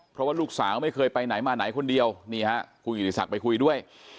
เพราะว่าลูกสาวไม่เคยไปไหนมาไหนคนเดียวนี่ฮะคุณกิติศักดิ์ไปคุยด้วย